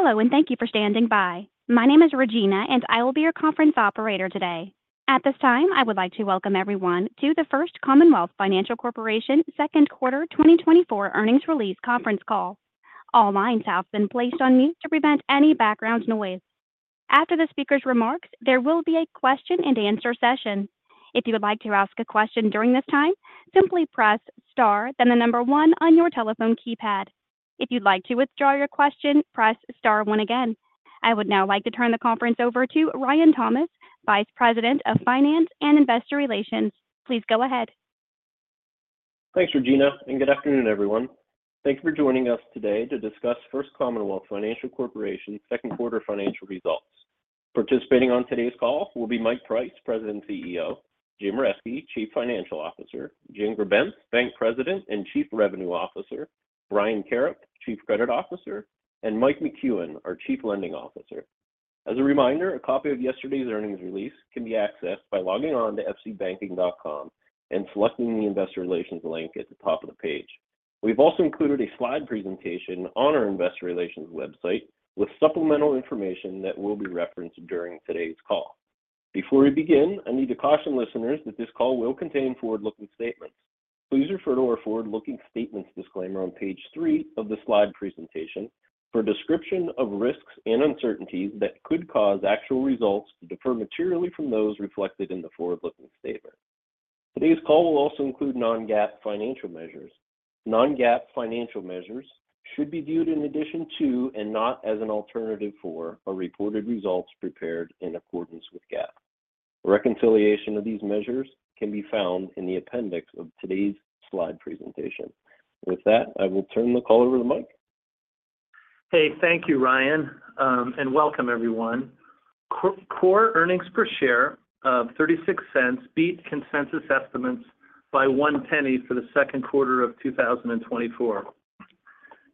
Hello, and thank you for standing by. My name is Regina, and I will be your conference operator today. At this time, I would like to welcome everyone to the First Commonwealth Financial Corporation second quarter 2024 earnings release conference call. All lines have been placed on mute to prevent any background noise. After the speaker's remarks, there will be a question-and-answer session. If you would like to ask a question during this time, simply press Star, then the number one on your telephone keypad. If you'd like to withdraw your question, press star one again. I would now like to turn the conference over to Ryan Thomas, Vice President of Finance and Investor Relations. Please go ahead. Thanks, Regina, and good afternoon, everyone. Thanks for joining us today to discuss First Commonwealth Financial Corporation second quarter financial results. Participating on today's call will be Mike Price, President and CEO, Jim Reske, Chief Financial Officer, Jane Grebenc, Bank President and Chief Revenue Officer, Brian Karrip, Chief Credit Officer, and Mike McCuen, our Chief Lending Officer. As a reminder, a copy of yesterday's earnings release can be accessed by logging on to fcbanking.com and selecting the Investor Relations link at the top of the page. We've also included a slide presentation on our Investor Relations website with supplemental information that will be referenced during today's call. Before we begin, I need to caution listeners that this call will contain forward-looking statements. Please refer to our forward-looking statements disclaimer on page 3 of the slide presentation for a description of risks and uncertainties that could cause actual results to differ materially from those reflected in the forward-looking statement. Today's call will also include non-GAAP financial measures. Non-GAAP financial measures should be viewed in addition to and not as an alternative for our reported results prepared in accordance with GAAP. A reconciliation of these measures can be found in the appendix of today's slide presentation. With that, I will turn the call over to Mike. Hey, thank you, Ryan, and welcome everyone. Core earnings per share of $0.36 beat consensus estimates by $0.01 for the second quarter of 2024.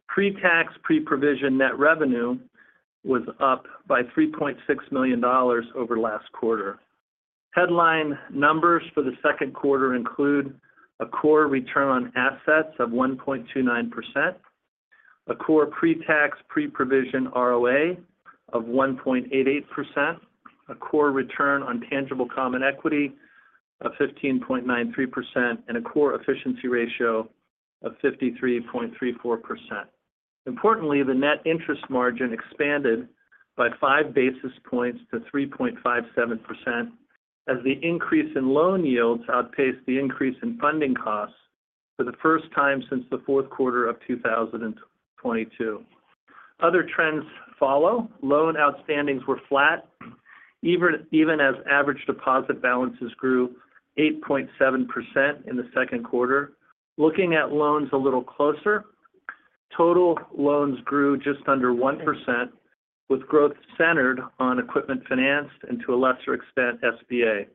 Pre-tax, pre-provision net revenue was up by $3.6 million over last quarter. Headline numbers for the second quarter include a core return on assets of 1.29%, a core pre-tax, pre-provision ROA of 1.88%, a core return on tangible common equity of 15.93%, and a core efficiency ratio of 53.34%. Importantly, the net interest margin expanded by five basis points to 3.57% as the increase in loan yields outpaced the increase in funding costs for the 1st time since the fourth quarter of 2022. Other trends follow. Loan outstandings were flat, even as average deposit balances grew 8.7% in the second quarter. Looking at loans a little closer, total loans grew just under 1%, with growth centered on equipment finance and to a lesser extent, SBA.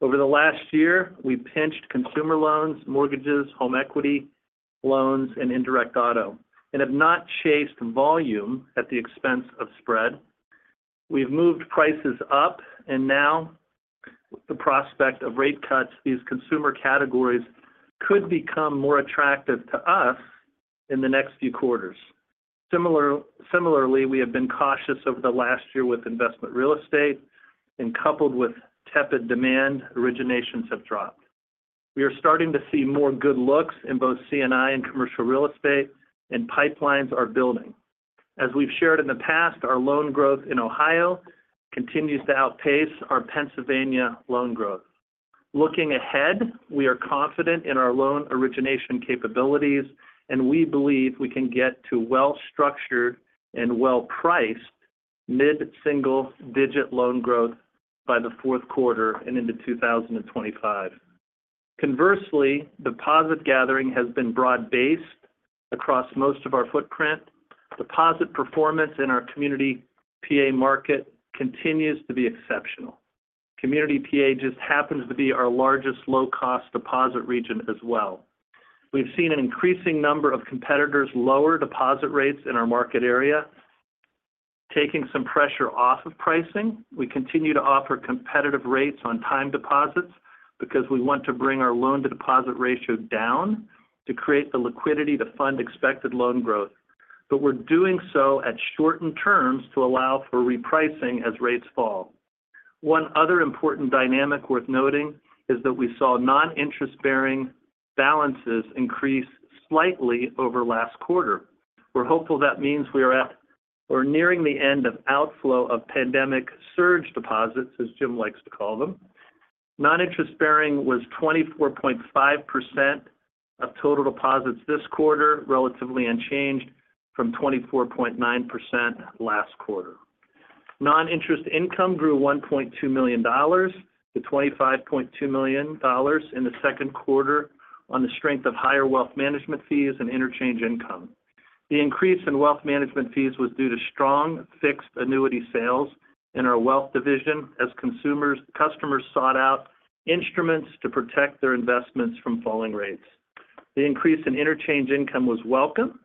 Over the last year, we pinched consumer loans, mortgages, home equity loans, and indirect auto and have not chased volume at the expense of spread. We've moved prices up and now with the prospect of rate cuts, these consumer categories could become more attractive to us in the next few quarters. Similarly, we have been cautious over the last year with investment real estate, and coupled with tepid demand, originations have dropped. We are starting to see more good looks in both C&I and commercial real estate, and pipelines are building. As we've shared in the past, our loan growth in Ohio continues to outpace our Pennsylvania loan growth. Looking ahead, we are confident in our loan origination capabilities, and we believe we can get to well-structured and well-priced mid-single-digit loan growth by the fourth quarter and into 2025. Conversely, deposit gathering has been broad-based across most of our footprint. Deposit performance in our Community PA market continues to be exceptional. Community PA just happens to be our largest low-cost deposit region as well. We've seen an increasing number of competitors lower deposit rates in our market area, taking some pressure off of pricing. We continue to offer competitive rates on time deposits because we want to bring our loan-to-deposit ratio down to create the liquidity to fund expected loan growth. But we're doing so at shortened terms to allow for repricing as rates fall. One other important dynamic worth noting is that we saw non-interest-bearing balances increase slightly over last quarter. We're hopeful that means we're nearing the end of outflow of pandemic surge deposits, as Jim likes to call them. Non-interest-bearing was 24.5% of total deposits this quarter, relatively unchanged from 24.9% last quarter. Non-interest income grew $1.2 million to $25.2 million in the second quarter on the strength of higher wealth management fees and interchange income. The increase in wealth management fees was due to strong fixed annuity sales in our wealth division as consumers, customers sought out instruments to protect their investments from falling rates. The increase in interchange income was welcome,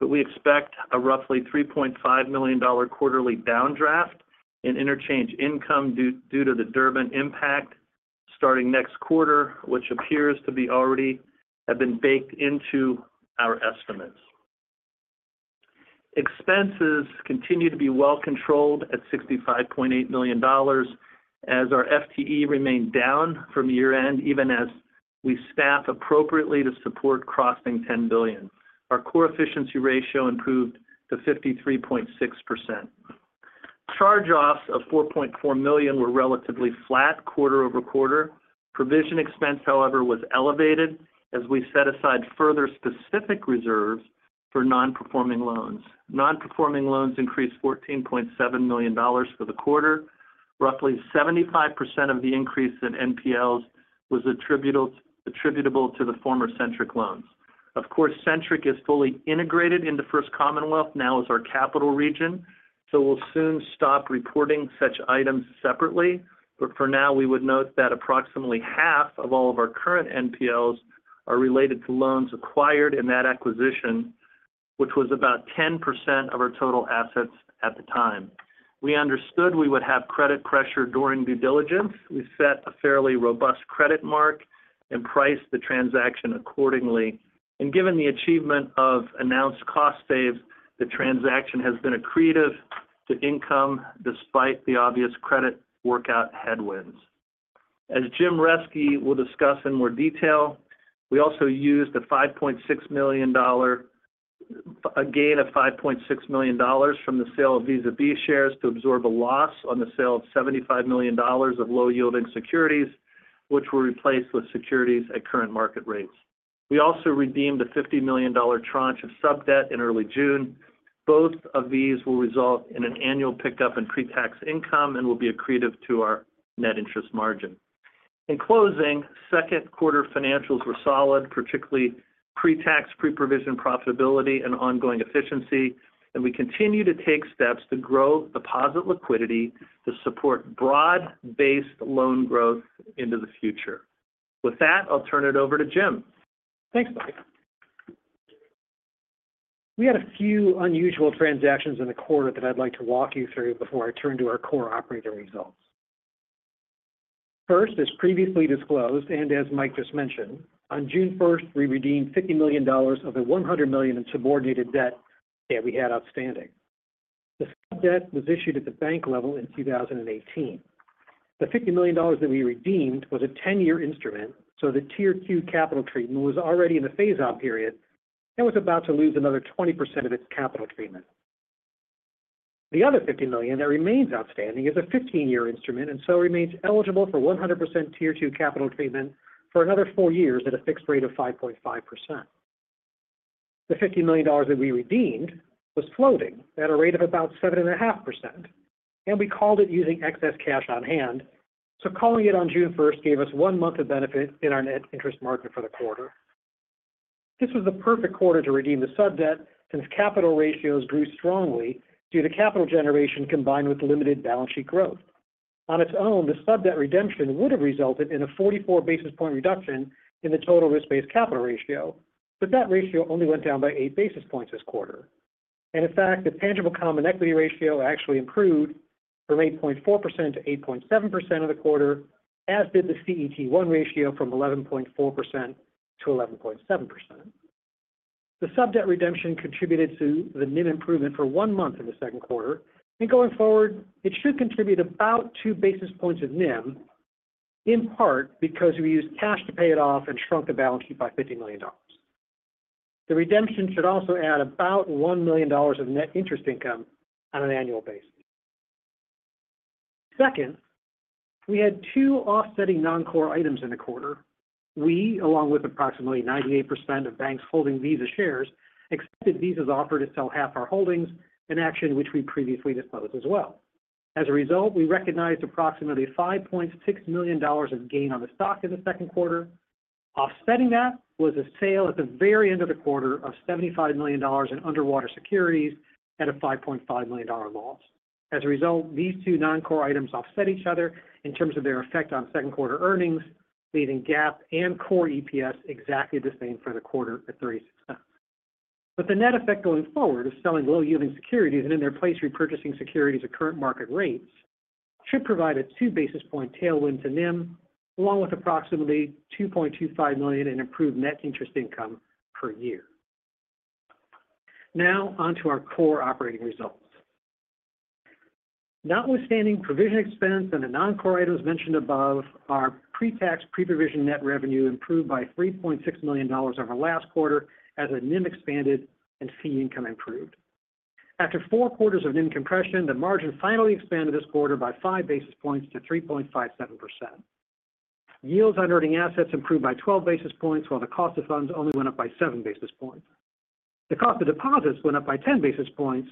but we expect a roughly $3.5 million quarterly downdraft in interchange income due to the Durbin impact. Starting next quarter, which appears to be already have been baked into our estimates. Expenses continue to be well controlled at $65.8 million, as our FTE remained down from year-end, even as we staff appropriately to support crossing $10 billion. Our core efficiency ratio improved to 53.6%. Charge-offs of $4.4 million were relatively flat quarter-over-quarter. Provision expense, however, was elevated as we set aside further specific reserves for non-performing loans. Non-performing loans increased $14.7 million for the quarter. Roughly 75% of the increase in NPLs was attributable to the former Centric loans. Of course, Centric is fully integrated into First Commonwealth, now as our Capital region, so we'll soon stop reporting such items separately. But for now, we would note that approximately half of all of our current NPLs are related to loans acquired in that acquisition, which was about 10% of our total assets at the time. We understood we would have credit pressure during due diligence. We set a fairly robust credit mark and priced the transaction accordingly, and given the achievement of announced cost saves, the transaction has been accretive to income despite the obvious credit workout headwinds. As Jim Reske will discuss in more detail, we also used a gain of $5.6 million from the sale of Visa B shares to absorb a loss on the sale of $75 million of low-yielding securities, which were replaced with securities at current market rates. We also redeemed a $50 million tranche of sub debt in early June. Both of these will result in an annual pickup in pre-tax income and will be accretive to our net interest margin. In closing, second quarter financials were solid, particularly pre-tax, pre-provision profitability and ongoing efficiency, and we continue to take steps to grow deposit liquidity to support broad-based loan growth into the future. With that, I'll turn it over to Jim. Thanks, Mike. We had a few unusual transactions in the quarter that I'd like to walk you through before I turn to our core operating results. 1st, as previously disclosed, and as Mike just mentioned, on June 1st, we redeemed $50 million of the $100 million in subordinated debt that we had outstanding. The sub debt was issued at the bank level in 2018. The $50 million that we redeemed was a 10-year instrument, so the Tier 2 capital treatment was already in the phase-out period and was about to lose another 20% of its capital treatment. The other $50 million that remains outstanding is a 15-year instrument and so remains eligible for 100% Tier 2 capital treatment for another 4 years at a fixed rate of 5.5%. The $50 million that we redeemed was floating at a rate of about 7.5%, and we called it using excess cash on hand. So calling it on June 1st gave us one month of benefit in our net interest margin for the quarter. This was the perfect quarter to redeem the sub debt, since capital ratios grew strongly due to capital generation combined with limited balance sheet growth. On its own, the sub debt redemption would have resulted in a 44 basis point reduction in the total risk-based capital ratio, but that ratio only went down by eight basis points this quarter. And in fact, the tangible common equity ratio actually improved from 8.4% to 8.7% of the quarter, as did the CET1 ratio from 11.4% to 11.7%. The sub debt redemption contributed to the NIM improvement for one month in the second quarter, and going forward, it should contribute about two basis points of NIM, in part because we used cash to pay it off and shrunk the balance sheet by $50 million. The redemption should also add about $1 million of net interest income on an annual basis. 2nd, we had two offsetting non-core items in the quarter. We, along with approximately 98% of banks holding Visa shares, accepted Visa's offer to sell half our holdings, an action which we previously disclosed as well. As a result, we recognized approximately $5.6 million of gain on the stock in the second quarter. Offsetting that was a sale at the very end of the quarter of $75 million in underwater securities at a $5.5 million loss. As a result, these two non-core items offset each other in terms of their effect on second quarter earnings, leaving GAAP and core EPS exactly the same for the quarter at $0.36. But the net effect going forward is selling low-yielding securities and in their place, repurchasing securities at current market rates, should provide a 2 basis point tailwind to NIM, along with approximately $2.25 million in improved net interest income per year. Now, on to our core operating results. Notwithstanding provision expense and the non-core items mentioned above, our pre-tax, pre-provision net revenue improved by $3.6 million over last quarter as the NIM expanded and fee income improved. After four quarters of NIM compression, the margin finally expanded this quarter by 5 basis points to 3.57%. Yields on earning assets improved by 12 basis points, while the cost of funds only went up by 7 basis points. The cost of deposits went up by 10 basis points,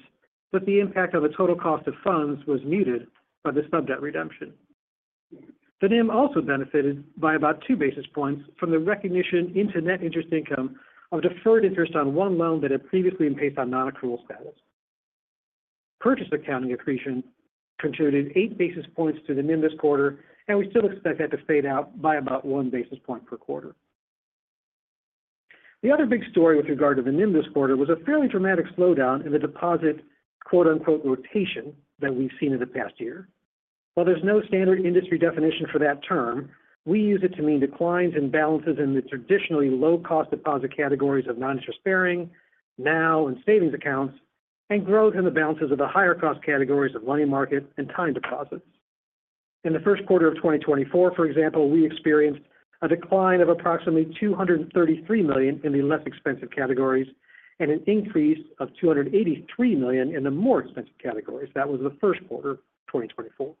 but the impact of the total cost of funds was muted by the sub debt redemption. The NIM also benefited by about 2 basis points from the recognition into net interest income of deferred interest on 1 loan that had previously been placed on non-accrual status. Purchase accounting accretion contributed 8 basis points to the NIM this quarter, and we still expect that to fade out by about 1 basis point per quarter. The other big story with regard to the NIM this quarter was a fairly dramatic slowdown in the deposit, quote unquote, "rotation" that we've seen in the past year. While there's no standard industry definition for that term, we use it to mean declines in balances in the traditionally low-cost deposit categories of non-interest bearing, NOW and savings accounts, and growth in the balances of the higher cost categories of money market and time deposits. In the first quarter of 2024, for example, we experienced a decline of approximately $233 million in the less expensive categories and an increase of $283 million in the more expensive categories. That was the first quarter of 2024.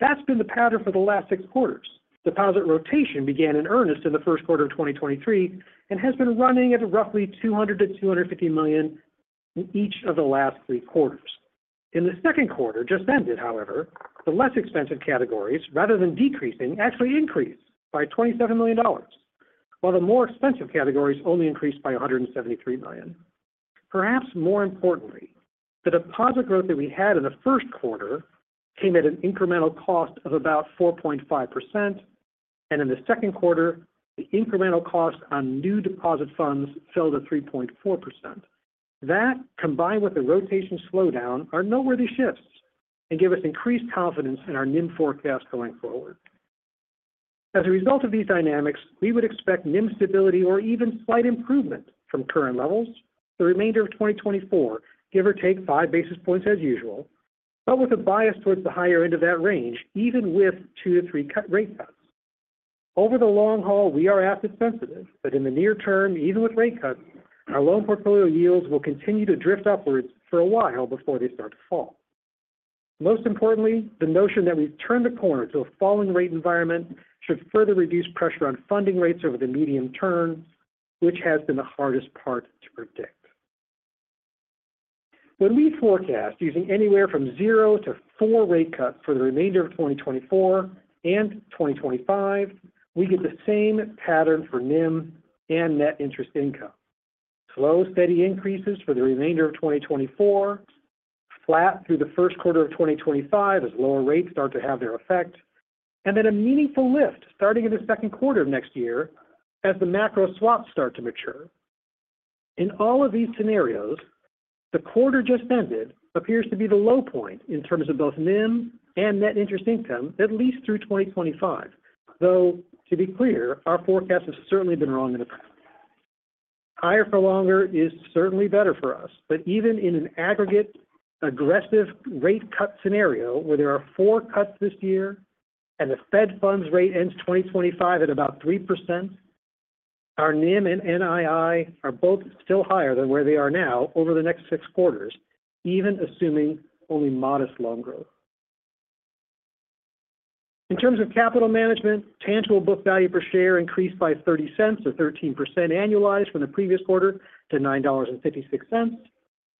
That's been the pattern for the last six quarters. Deposit rotation began in earnest in the first quarter of 2023 and has been running at roughly $200-$250 million in each of the last three quarters. In the second quarter, just ended, however, the less expensive categories, rather than decreasing, actually increased by $27 million, while the more expensive categories only increased by $173 million. Perhaps more importantly, the deposit growth that we had in the first quarter came at an incremental cost of about 4.5%, and in the second quarter, the incremental cost on new deposit funds fell to 3.4%. That, combined with the rotation slowdown, are noteworthy shifts and give us increased confidence in our NIM forecast going forward. As a result of these dynamics, we would expect NIM stability or even slight improvement from current levels the remainder of 2024, give or take 5 basis points as usual, but with a bias towards the higher end of that range, even with 2-3 cut rate cuts. Over the long haul, we are asset sensitive, but in the near term, even with rate cuts, our loan portfolio yields will continue to drift upwards for a while before they start to fall. Most importantly, the notion that we've turned a corner to a falling rate environment should further reduce pressure on funding rates over the medium term, which has been the hardest part to predict. When we forecast using anywhere from 0-4 rate cuts for the remainder of 2024 and 2025, we get the same pattern for NIM and net interest income. Slow, steady increases for the remainder of 2024, flat through the first quarter of 2025 as lower rates start to have their effect, and then a meaningful lift starting in the second quarter of next year as the macro swaps start to mature. In all of these scenarios, the quarter just ended appears to be the low point in terms of both NIM and net interest income at least through 2025. Though, to be clear, our forecast has certainly been wrong in the past. Higher for longer is certainly better for us, but even in an aggregate, aggressive rate cut scenario where there are 4 cuts this year and the Fed funds rate ends 2025 at about 3%, our NIM and NII are both still higher than where they are now over the next 6 quarters, even assuming only modest loan growth. In terms of capital management, tangible book value per share increased by $0.30, or 13% annualized from the previous quarter to $9.56,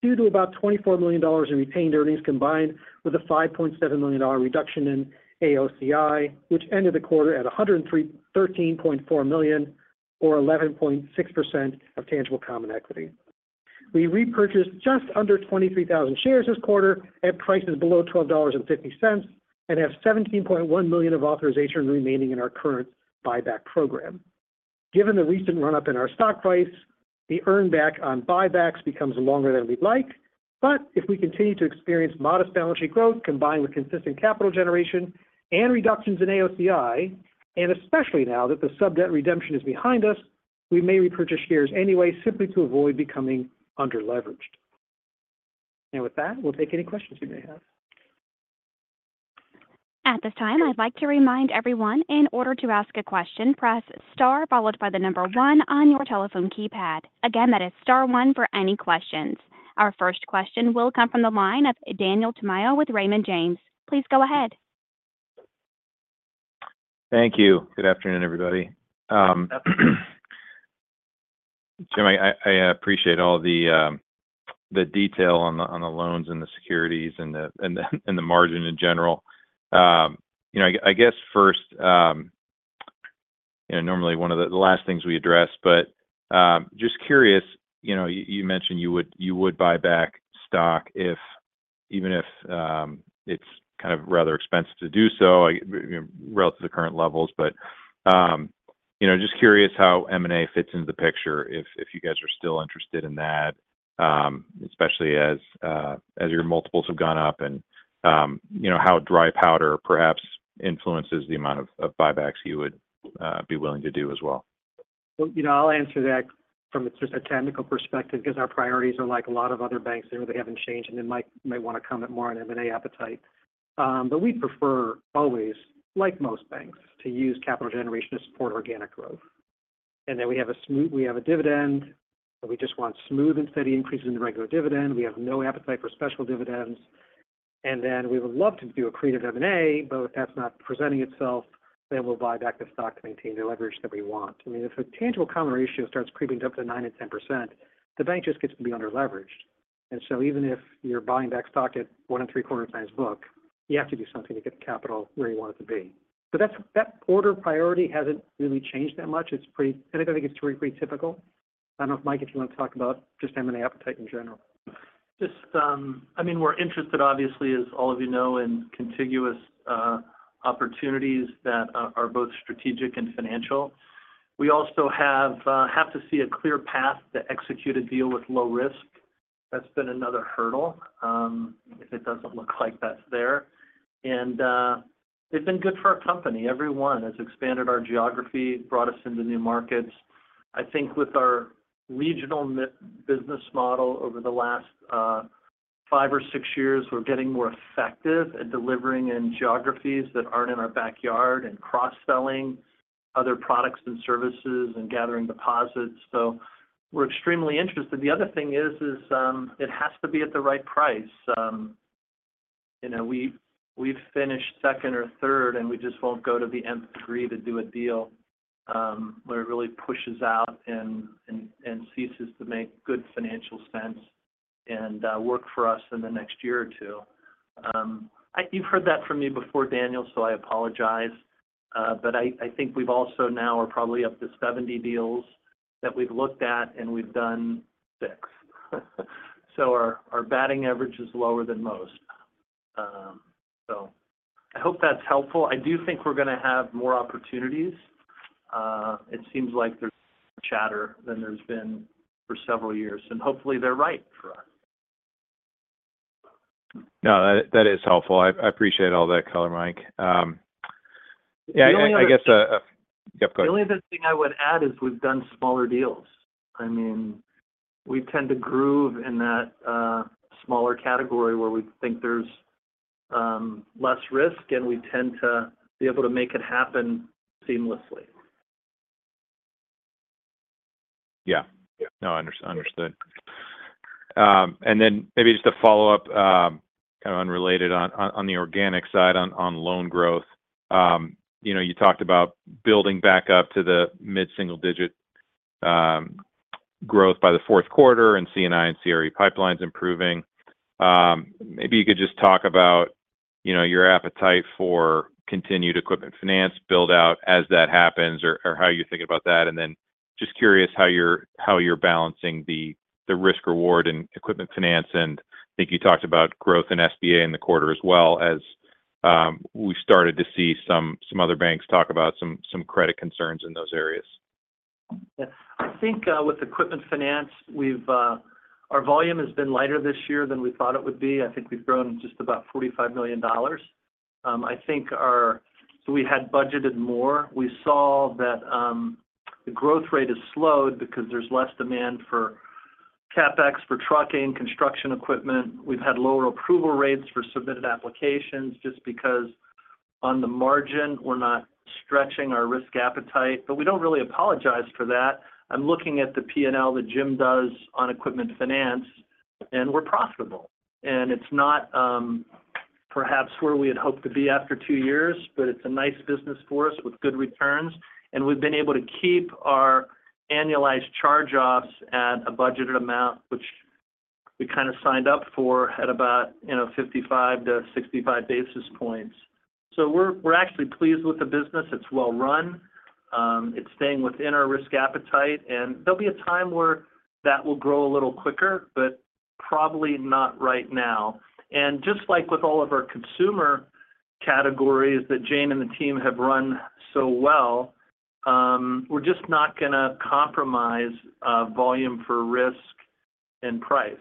due to about $24 million in retained earnings, combined with a $5.7 million reduction in AOCI, which ended the quarter at $113.4 million, or 11.6% of tangible common equity. We repurchased just under 23,000 shares this quarter at prices below $12.50, and have $17.1 million of authorization remaining in our current buyback program. Given the recent run-up in our stock price, the earn back on buybacks becomes longer than we'd like, but if we continue to experience modest balance sheet growth combined with consistent capital generation and reductions in AOCI, and especially now that the subdebt redemption is behind us, we may repurchase shares anyway simply to avoid becoming underleveraged. With that, we'll take any questions you may have. At this time, I'd like to remind everyone, in order to ask a question, press Star, followed by the number one on your telephone keypad. Again, that is Star one for any questions. Our 1st question will come from the line of Daniel Tamayo with Raymond James. Please go ahead. Thank you. Good afternoon, everybody. Jim, I appreciate all the detail on the loans and the securities and the margin in general. You know, I guess 1st, you know, normally one of the last things we address, but just curious, you know, you mentioned you would buy back stock if even if it's kind of rather expensive to do so, relative to current levels. But you know, just curious how M&A fits into the picture, if you guys are still interested in that, especially as, as your multiples have gone up and, you know, how dry powder perhaps influences the amount of buybacks you would be willing to do as well. Well, you know, I'll answer that from just a technical perspective, because our priorities are like a lot of other banks, they really haven't changed, and then Mike may want to comment more on M&A appetite. But we'd prefer always, like most banks, to use capital generation to support organic growth. And then we have a dividend, but we just want smooth and steady increases in the regular dividend. We have no appetite for special dividends, and then we would love to do accretive M&A, but if that's not presenting itself, then we'll buy back the stock to maintain the leverage that we want. I mean, if a tangible common ratio starts creeping up to 9% and 10%, the bank just gets to be underleveraged. And so even if you're buying back stock at 1.75x book, you have to do something to get the capital where you want it to be. So that's that order priority hasn't really changed that much. It's pretty and I think it's pretty, pretty typical. I don't know if, Mike, if you want to talk about just M&A appetite in general?... Just, I mean, we're interested, obviously, as all of you know, in contiguous opportunities that are both strategic and financial. We also have to see a clear path to execute a deal with low risk. That's been another hurdle, if it doesn't look like that's there. And they've been good for our company. Every one has expanded our geography, brought us into new markets. I think with our regional business model over the last five or six years, we're getting more effective at delivering in geographies that aren't in our backyard and cross-selling other products and services and gathering deposits. So we're extremely interested. The other thing is, it has to be at the right price. You know, we, we've finished 2nd or 3rd, and we just won't go to the nth degree to do a deal, where it really pushes out and ceases to make good financial sense and work for us in the next year or two. You've heard that from me before, Daniel, so I apologize. But I think we've also now are probably up to 70 deals that we've looked at, and we've done 6. So our batting average is lower than most. So I hope that's helpful. I do think we're going to have more opportunities. It seems like there's chatter than there's been for several years, and hopefully they're right for us. No, that, that is helpful. I, I appreciate all that color, Mike. Yeah, I, I guess, The only other- Yep, go ahead. The only other thing I would add is we've done smaller deals. I mean, we tend to groove in that smaller category where we think there's less risk, and we tend to be able to make it happen seamlessly. Yeah. Yeah. No, understood. And then maybe just a follow-up, kind of unrelated on the organic side, on loan growth. You know, you talked about building back up to the mid-single-digit growth by the fourth quarter, and C&I and CRE pipeline's improving. Maybe you could just talk about, you know, your appetite for continued equipment finance build-out as that happens or how you think about that. And then just curious how you're balancing the risk-reward in equipment finance, and I think you talked about growth in SBA in the quarter as well as we started to see some other banks talk about some credit concerns in those areas. Yeah. I think with equipment finance, we've... Our volume has been lighter this year than we thought it would be. I think we've grown just about $45 million. I think so we had budgeted more. We saw that the growth rate has slowed because there's less demand for CapEx, for trucking, construction equipment. We've had lower approval rates for submitted applications just because on the margin, we're not stretching our risk appetite, but we don't really apologize for that. I'm looking at the P&L that Jim does on equipment finance, and we're profitable. And it's not perhaps where we had hoped to be after two years, but it's a nice business for us with good returns, and we've been able to keep our annualized charge-offs at a budgeted amount, which we kind of signed up for at about, you know, 55-65 basis points. So we're actually pleased with the business. It's well-run. It's staying within our risk appetite, and there'll be a time where that will grow a little quicker, but probably not right now. And just like with all of our consumer categories that Jane and the team have run so well, we're just not going to compromise volume for risk and price.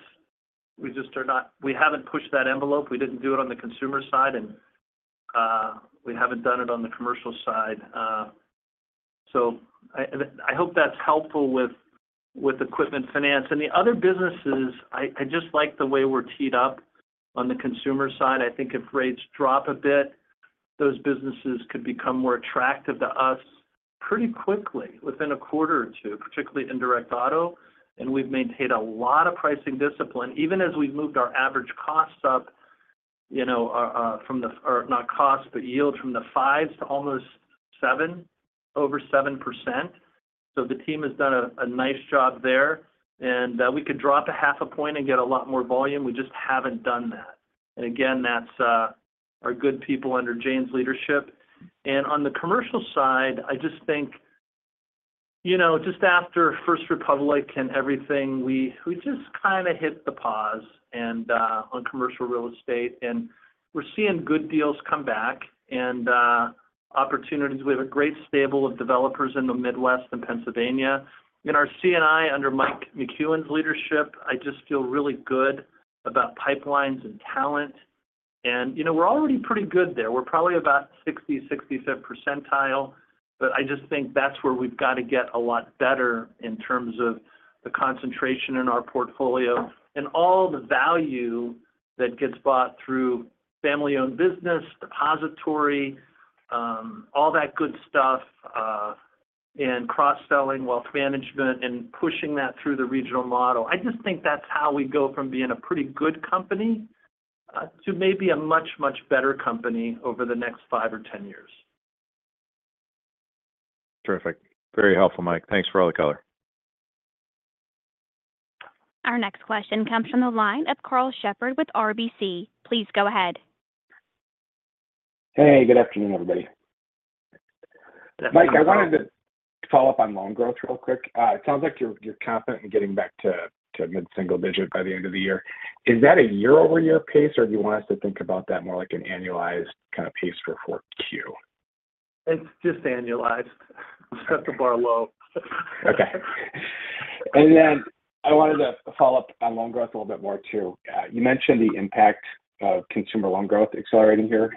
We just are not. We haven't pushed that envelope. We didn't do it on the consumer side, and we haven't done it on the commercial side. So, I hope that's helpful with equipment finance. The other businesses, I just like the way we're teed up on the consumer side. I think if rates drop a bit, those businesses could become more attractive to us pretty quickly, within a quarter or two, particularly in indirect auto, and we've maintained a lot of pricing discipline, even as we've moved our average costs up, you know, from the... or not costs, but yield from the 5s to almost 7, over 7%. So the team has done a nice job there, and we could drop 0.5 point and get a lot more volume. We just haven't done that. And again, that's our good people under Jane's leadership. On the commercial side, I just think, you know, just after First Republic and everything, we just kind of hit the pause and on commercial real estate, and we're seeing good deals come back and opportunities. We have a great stable of developers in the Midwest and Pennsylvania. In our C&I, under Mike McCuen's leadership, I just feel really good about pipelines and talent. And, you know, we're already pretty good there. We're probably about 60-65 percentile, but I just think that's where we've got to get a lot better in terms of the concentration in our portfolio and all the value that gets bought through family-owned business, depository, all that good stuff, and cross-selling wealth management and pushing that through the regional model. I just think that's how we go from being a pretty good company, to maybe a much, much better company over the next five or 10 years. Terrific. Very helpful, Mike. Thanks for all the color. Our next question comes from the line of Karl Shepard with RBC. Please go ahead. ... Hey, good afternoon, everybody. Mike, I wanted to follow up on loan growth real quick. It sounds like you're confident in getting back to mid-single digit by the end of the year. Is that a year-over-year pace, or do you want us to think about that more like an annualized kind of pace for 4Q? It's just annualized. Set the bar low. Okay. And then I wanted to follow up on loan growth a little bit more too. You mentioned the impact of consumer loan growth accelerating here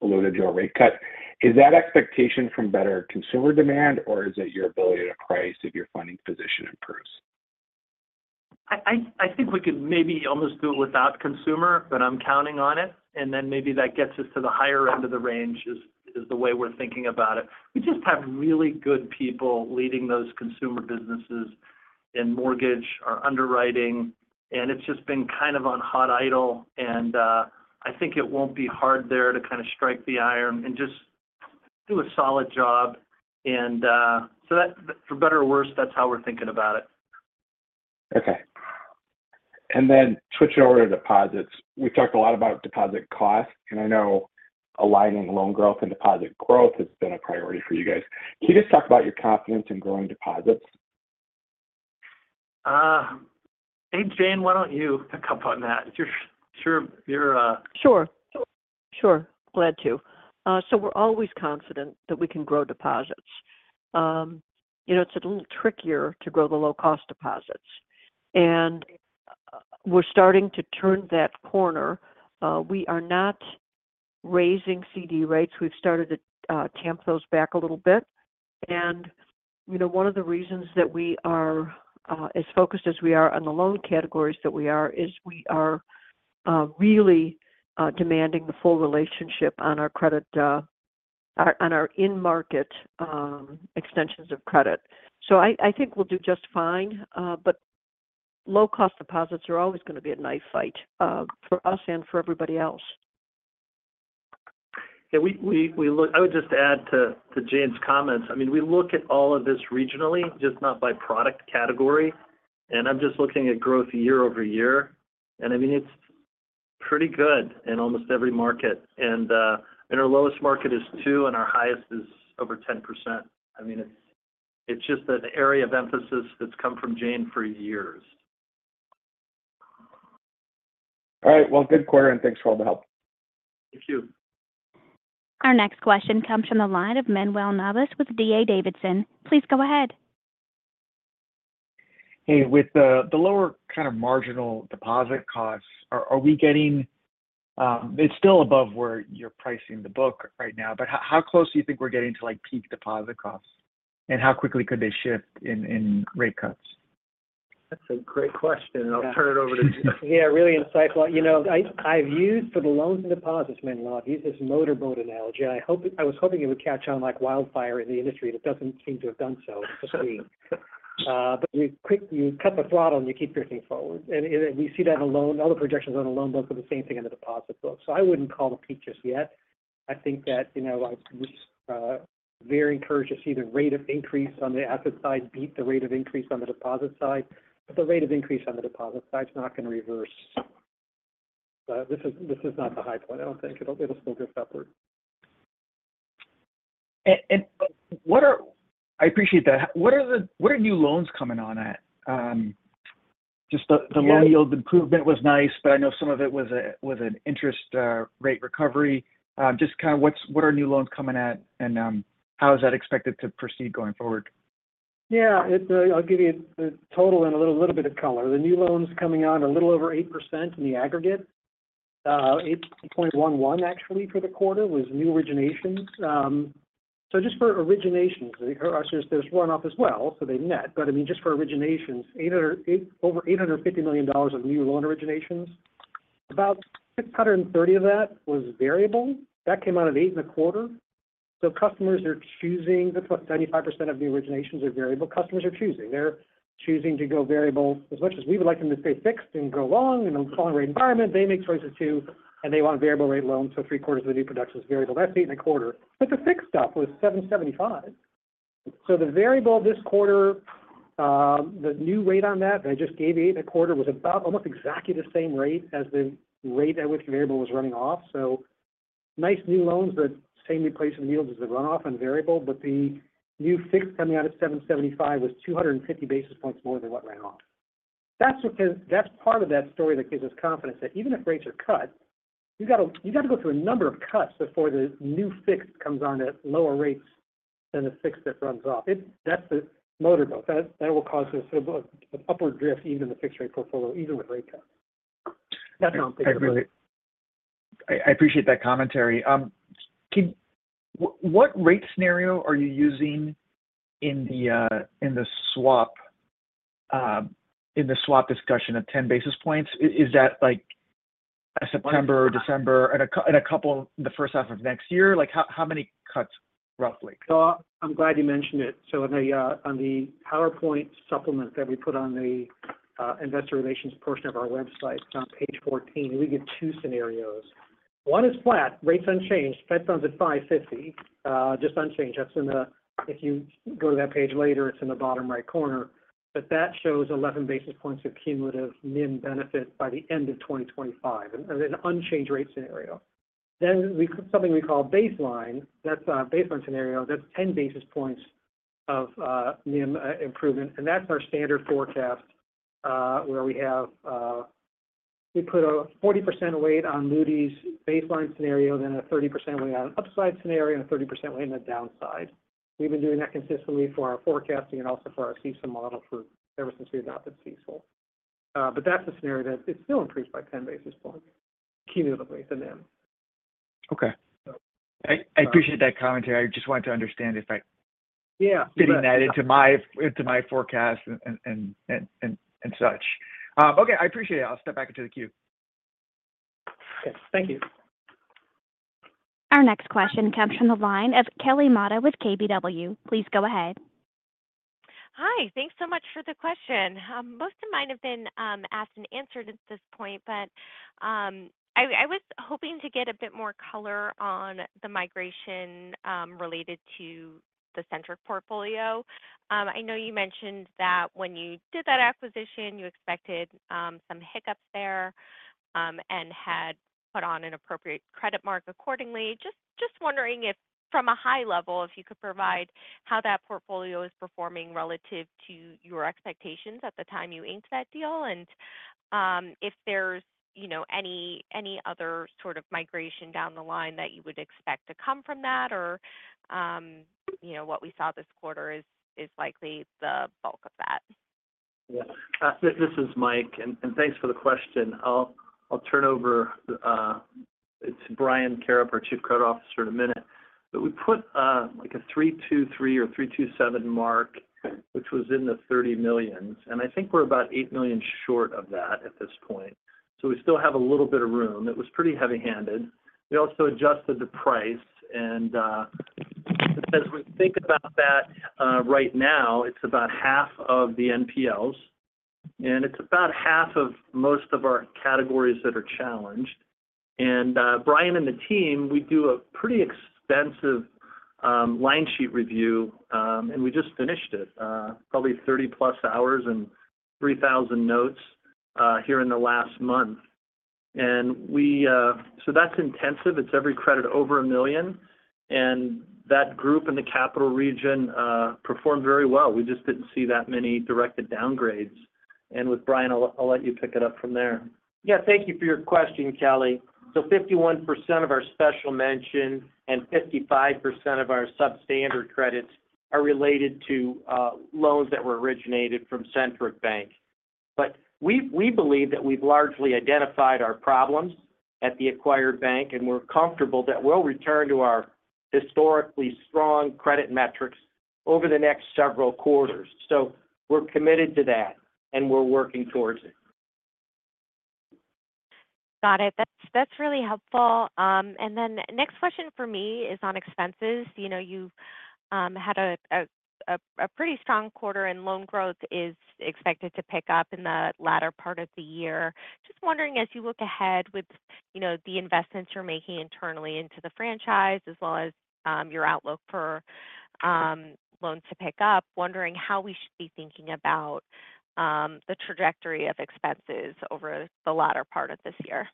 and alluded to a rate cut. Is that expectation from better consumer demand, or is it your ability to price if your funding position improves? I think we could maybe almost do it without consumer, but I'm counting on it, and then maybe that gets us to the higher end of the range; is the way we're thinking about it. We just have really good people leading those consumer businesses in mortgage or underwriting, and it's just been kind of on hot idle, and I think it won't be hard there to kind of strike the iron and just do a solid job, and so that - for better or worse, that's how we're thinking about it. Okay. Switching over to deposits. We've talked a lot about deposit costs, and I know aligning loan growth and deposit growth has been a priority for you guys. Can you just talk about your confidence in growing deposits? Hey, Jane, why don't you pick up on that? It's your- Sure. Sure, glad to. So we're always confident that we can grow deposits. You know, it's a little trickier to grow the low-cost deposits, and we're starting to turn that corner. We are not raising CD rates. We've started to tamp those back a little bit. You know, one of the reasons that we are as focused as we are on the loan categories that we are is we are really demanding the full relationship on our credit on our in-market extensions of credit. So I think we'll do just fine, but low-cost deposits are always going to be a knife fight for us and for everybody else. Yeah, we look—I would just add to Jane's comments. I mean, we look at all of this regionally, just not by product category, and I'm just looking at growth year-over-year. And, and our lowest market is 2%, and our highest is over 10%. I mean, it's just an area of emphasis that's come from Jane for years. All right. Well, good quarter, and thanks for all the help. Thank you. Our next question comes from the line of Manuel Navas with D.A. Davidson. Please go ahead. Hey, with the lower kind of marginal deposit costs, are we getting...? It's still above where you're pricing the book right now, but how close do you think we're getting to, like, peak deposit costs? And how quickly could they shift in rate cuts? That's a great question, and I'll turn it over to Jane. Yeah, really insightful. You know, I've used for the loans and deposits, Manuel, I've used this motorboat analogy, and I was hoping it would catch on like wildfire in the industry, and it doesn't seem to have done so. But you cut the throttle, and you keep drifting forward. And we see that on loan. All the projections on the loan book are the same thing on the deposit book. So I wouldn't call the peak just yet. I think that, you know, I'm very encouraged to see the rate of increase on the asset side beat the rate of increase on the deposit side, but the rate of increase on the deposit side is not going to reverse. This is not the high point, I don't think. It'll still drift upward. I appreciate that. What are new loans coming on at? Just the loan yield improvement was nice, but I know some of it was an interest rate recovery. What are new loans coming at, and how is that expected to proceed going forward? Yeah, I'll give you the total and a little bit of color. The new loans coming out a little over 8% in the aggregate. 8.11% actually for the quarter was new originations. So just for originations, there's run off as well, so they net. But I mean, just for originations, over $850 million of new loan originations, about $630 million of that was variable. That came out at 8.25%. So customers are choosing. That's what 95% of the originations are variable. Customers are choosing. They're choosing to go variable. As much as we would like them to stay fixed and go long in a lower rate environment, they make choices too, and they want variable rate loans, so three-quarters of the new production is variable. That's 8.25. But the fixed stuff was 7.75. So the variable this quarter, the new rate on that, I just gave 8.25, was about almost exactly the same rate as the rate at which the variable was running off. So nice new loans, the same replacement yields as the run off and variable, but the new fixed coming out at 7.75 was 250 basis points more than what ran off. That's because that's part of that story that gives us confidence that even if rates are cut, you've got to you've got to go through a number of cuts before the new fixed comes on at lower rates than the fixed that runs off. It. That's the motor boat. That, that will cause this, upward drift, even the fixed rate portfolio, even with rate cuts. That's how I think. I appreciate that commentary. What rate scenario are you using in the swap discussion of 10 basis points? Is that like a September or December and a couple in the first half of next year? Like, how many cuts, roughly? So I'm glad you mentioned it. So on the, on the PowerPoint supplement that we put on the, investor relations portion of our website, on page 14, we give two scenarios. One is flat, rates unchanged. Fed funds at 5.50, just unchanged. That's in the—if you go to that page later, it's in the bottom right corner. But that shows 11 basis points of cumulative NIM benefit by the end of 2025, and an unchanged rate scenario. Then we—something we call baseline, that's a baseline scenario. That's 10 basis points of NIM improvement, and that's our standard forecast, where we have, we put a 40% weight on Moody's baseline scenario, then a 30% weight on an upside scenario, and a 30% weight on the downside. We've been doing that consistently for our forecasting and also for our CECL model for ever since we adopted CECL. But that's a scenario that it's still improved by 10 basis points cumulatively to NIM. Okay. I appreciate that commentary. I just wanted to understand if I- Yeah. Getting that into my forecast and such. Okay, I appreciate it. I'll step back into the queue. Okay. Thank you. Our next question comes from the line of Kelly Motta with KBW. Please go ahead. Hi. Thanks so much for the question. Most of mine have been asked and answered at this point, but I was hoping to get a bit more color on the migration related to the Centric portfolio. I know you mentioned that when you did that acquisition, you expected some hiccups there and had put on an appropriate credit mark accordingly. Just wondering if from a high level, if you could provide how that portfolio is performing relative to your expectations at the time you inked that deal, and if there's, you know, any other sort of migration down the line that you would expect to come from that or, you know, what we saw this quarter is likely the bulk of that? Yeah. This, this is Mike, and, and thanks for the question. I'll, I'll turn over to, to Brian Karrip, our Chief Credit Officer, in a minute. But we put, like a 323 or 327 mark, which was in the $30 million, and I think we're about $8 million short of that at this point. So we still have a little bit of room. It was pretty heavy-handed. We also adjusted the price, and, as we think about that, right now, it's about half of the NPLs, and it's about half of most of our categories that are challenged. And, Brian and the team, we do a pretty extensive, line sheet review, and we just finished it, probably 30+ hours and 3,000 notes, here in the last month. And we-- So that's intensive. It's every credit over a million, and that group in the Capital region performed very well. We just didn't see that many directed downgrades. With Brian, I'll, I'll let you pick it up from there. Yeah, thank you for your question, Kelly. So 51% of our special mention and 55% of our substandard credits are related to loans that were originated from Centric Bank. But we've—we believe that we've largely identified our problems at the acquired bank, and we're comfortable that we'll return to our historically strong credit metrics over the next several quarters. So we're committed to that, and we're working towards it. Got it. That's, that's really helpful. And then next question for me is on expenses. You know, you've had a pretty strong quarter, and loan growth is expected to pick up in the latter part of the year. Just wondering, as you look ahead with, you know, the investments you're making internally into the franchise, as well as, your outlook for, loans to pick up, wondering how we should be thinking about, the trajectory of expenses over the latter part of this year?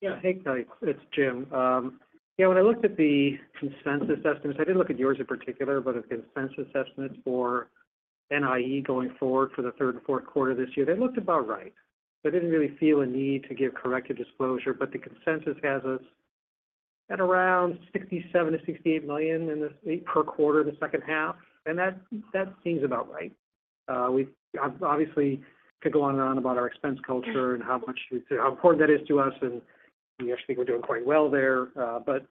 Yeah. Hey, Kelly, it's Jim. Yeah, when I looked at the consensus estimates, I didn't look at yours in particular, but a consensus estimate for NIE going forward for the third and fourth quarter this year, they looked about right. So I didn't really feel a need to give corrective disclosure, but the consensus has us at around $67 million-$68 million in the second half per quarter, and that, that seems about right. Obviously, could go on and on about our expense culture and how much, how important that is to us, and we actually think we're doing quite well there. But,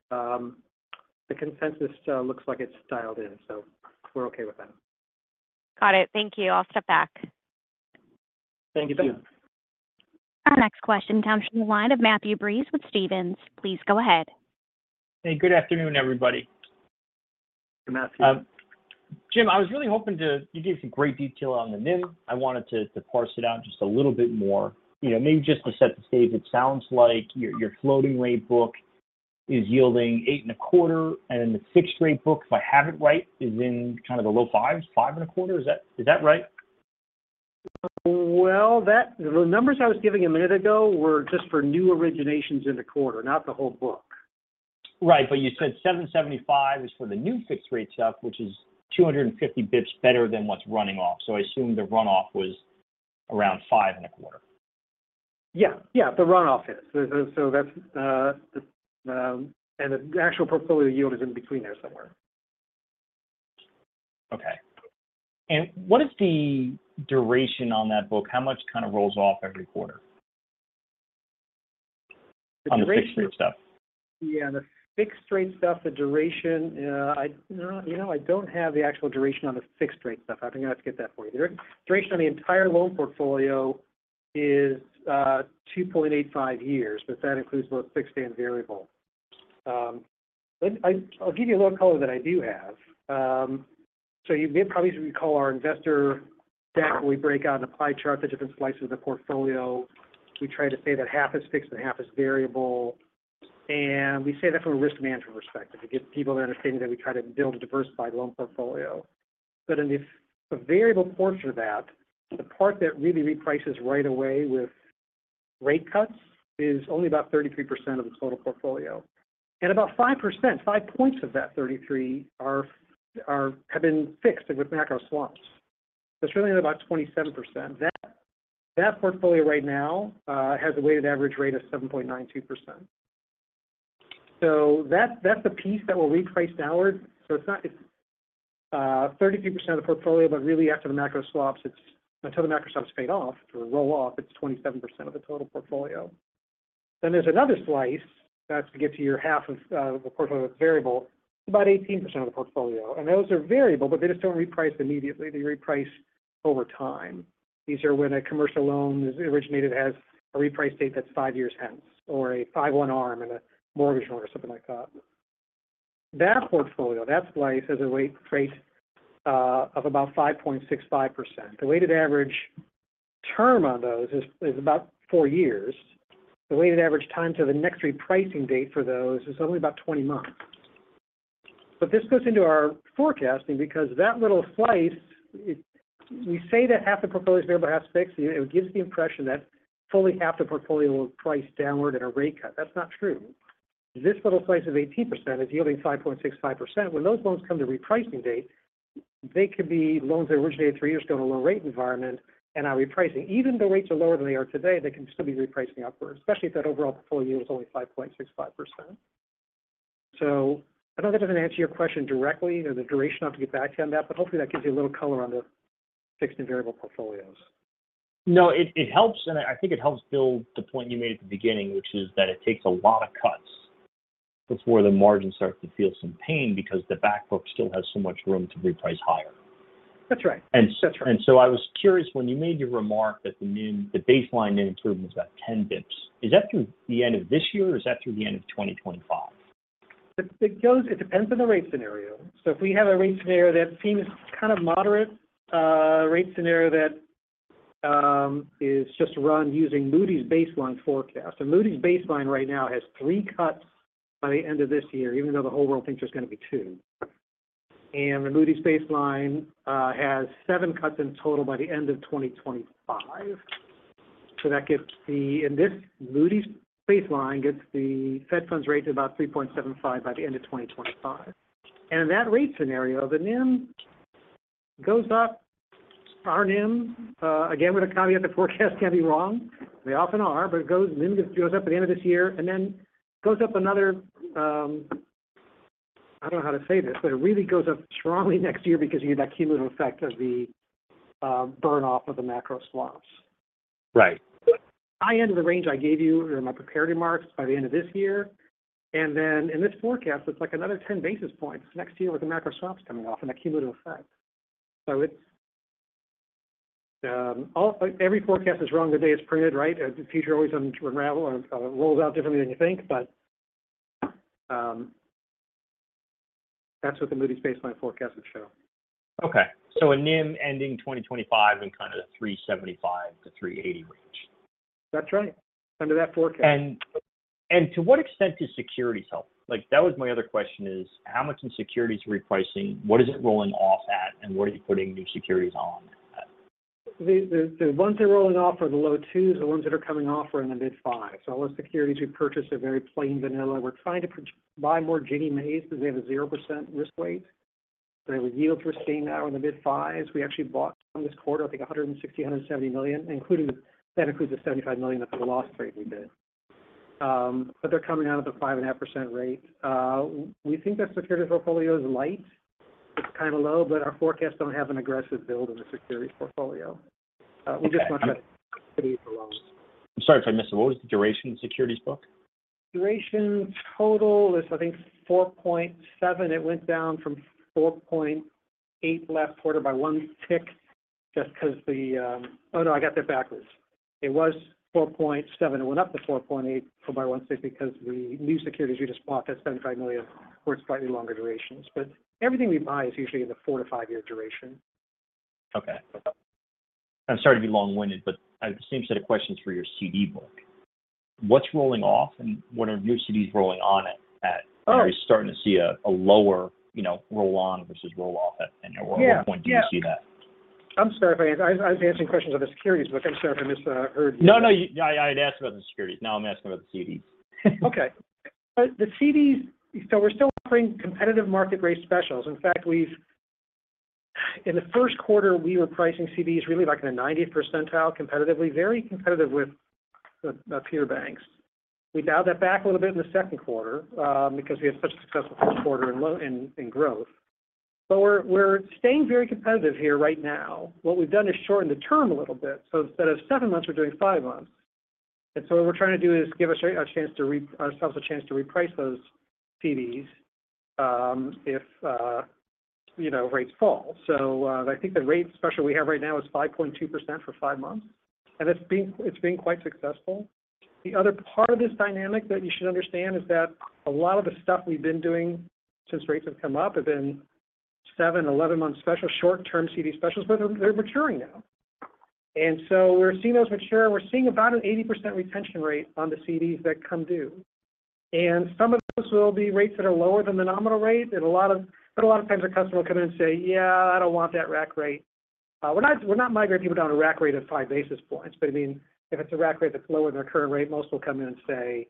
the consensus looks like it's dialed in, so we're okay with that. Got it. Thank you. I'll step back. Thank you. Thank you. Our next question comes from the line of Matthew Breese with Stephens. Please go ahead. Hey, good afternoon, everybody. Matthew. Jim, I was really hoping to. You gave some great detail on the NIM. I wanted to, to parse it out just a little bit more. You know, maybe just to set the stage, it sounds like your, your floating rate book is yielding 8.25, and the fixed-rate book, if I have it right, is in kind of the low 5s, 5.25. Is that, is that right? Well, that the numbers I was giving a minute ago were just for new originations in the quarter, not the whole book. Right. But you said 7.75 is for the new fixed-rate stuff, which is 250 bits better than what's running off. So I assume the runoff was around 5.25. Yeah. Yeah, the runoff is. So, that's, and the actual portfolio yield is in between there somewhere. Okay. And what is the duration on that book? How much kind of rolls off every quarter- The duration- -on the fixed-rate stuff? Yeah, the fixed-rate stuff, the duration, you know, I don't have the actual duration on the fixed-rate stuff. I think I have to get that for you. The duration on the entire loan portfolio is 2.85 years, but that includes both fixed and variable. I'll give you a little color that I do have. So you may probably recall our investor deck, where we break out and a pie chart the different slices of the portfolio. We try to say that half is fixed and half is variable, and we say that from a risk management perspective, to give people an understanding that we try to build a diversified loan portfolio. But in the variable portion of that, the part that really reprices right away with rate cuts is only about 33% of the total portfolio. And about 5%, 5 points of that 33% have been fixed with macro swaps. So it's really only about 27%. That portfolio right now has a weighted average rate of 7.92%. So that's the piece that will reprice downward. So it's not 33% of the portfolio, but really, after the macro swaps, until the macro swaps fade off or roll off, it's 27% of the total portfolio. Then there's another slice that's to get to your half of the portfolio that's variable, about 18% of the portfolio, and those are variable, but they just don't reprice immediately. They reprice over time. These are when a commercial loan is originated, it has a reprice date that's 5 years hence, or a 5-1 ARM and a mortgage or something like that. That portfolio, that slice, has a weighted rate of about 5.65%. The weighted average term on those is about 4 years. The weighted average time to the next repricing date for those is only about 20 months. But this goes into our forecasting because that little slice, it, we say that half the portfolio is variable, half is fixed. It gives the impression that fully half the portfolio will price downward at a rate cut. That's not true. This little slice of 18% is yielding 5.65%. When those loans come to repricing date, they could be loans that originated 3 years ago in a low-rate environment and are repricing. Even though rates are lower than they are today, they can still be repricing upwards, especially if that overall portfolio is only 5.65%. I know that doesn't answer your question directly or the duration. I'll have to get back to you on that, but hopefully, that gives you a little color on the fixed and variable portfolios. No, it, it helps, and I think it helps build the point you made at the beginning, which is that it takes a lot of cuts before the margin starts to feel some pain because the back book still has so much room to reprice higher. That's right. And- That's right. So I was curious when you made your remark that the baseline NIM improvement was about 10 basis points. Is that through the end of this year, or is that through the end of 2025? It depends on the rate scenario. So if we have a rate scenario that seems kind of moderate, rate scenario that is just run using Moody's baseline forecast. And Moody's baseline right now has three cuts by the end of this year, even though the whole world thinks there's going to be two. And the Moody's baseline has seven cuts in total by the end of 2025. So that gets the—in this Moody's baseline, gets the Fed funds rate to about 3.75 by the end of 2025. And in that rate scenario, the NIM goes up. Our NIM, again, with a caveat, the forecast can be wrong. They often are, but it goes—NIM goes up at the end of this year and then goes up another... I don't know how to say this, but it really goes up strongly next year because you get that cumulative effect of the burn off of the macro swaps. Right. High end of the range I gave you in my prepared remarks by the end of this year, and then in this forecast, it's like another 10 basis points next year with the macro swaps coming off in a cumulative effect. So it's every forecast is wrong the day it's printed, right? The future always unravel or rolls out differently than you think, but that's what the Moody's baseline forecast would show. Okay. So a NIM ending 2025 in kind of the 3.75%-3.80% range. That's right, under that forecast. And to what extent does securities help? Like, that was my other question is, how much in securities repricing, what is it rolling off at, and what are you putting new securities on at? The ones they're rolling off are the low 2s. The ones that are coming off are in the mid 5s. So all the securities we purchased are very plain vanilla. We're trying to buy more Fannie Mae because they have a 0% risk weight. The yields we're seeing now are in the mid 5s. We actually bought from this quarter, I think $160-$170 million, including, that includes the $75 million at the loss rate we bid. But they're coming out at the 5.5% rate. We think that security portfolio is light. It's kind of low, but our forecasts don't have an aggressive build in the security portfolio. We're just not that- Okay. -for loans. I'm sorry if I missed it. What was the duration of the securities book? Duration total is, I think, 4.7. It went down from 4.8 last quarter by one tick, just because the— Oh, no, I got that backwards. It was 4.7. It went up to 4.8 for by one tick because the new securities we just bought, that $75 million, were slightly longer durations. But everything we buy is usually in the 4- to 5-year duration. Okay. I'm sorry to be long-winded, but I have the same set of questions for your CD book. What's rolling off, and what are your CDs rolling on at, at? Oh. Are you starting to see a lower, you know, roll-on versus roll-off at— Yeah. At what point do you see that? I'm sorry if I was answering questions on the securities book. I'm sorry if I misheard you. No, no. You—I, I'd asked about the securities. Now I'm asking about the CDs. Okay. The CDs, so we're still offering competitive market rate specials. In fact, in the first quarter, we were pricing CDs really, like in the 90th percentile, competitively, very competitive with the peer banks. We dialed that back a little bit in the second quarter, because we had such a successful first quarter in growth. But we're staying very competitive here right now. What we've done is shorten the term a little bit, so instead of seven months, we're doing five months. And so what we're trying to do is give ourselves a chance to reprice those CDs, if you know, rates fall. So, I think the rate special we have right now is 5.2% for five months, and it's been quite successful. The other part of this dynamic that you should understand is that a lot of the stuff we've been doing since rates have come up have been 7-11-month special, short-term CD specials, but they're maturing now. And so we're seeing those mature, and we're seeing about an 80% retention rate on the CDs that come due... and some of those will be rates that are lower than the nominal rate, and a lot of, but a lot of times a customer will come in and say, "Yeah, I don't want that rack rate." We're not migrating people down a rack rate of five basis points. But I mean, if it's a rack rate that's lower than their current rate, most will come in and say